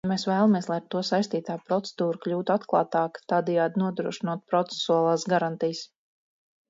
Mēs vēlamies, lai ar to saistītā procedūra kļūtu atklātāka, tādējādi nodrošinot procesuālās garantijas.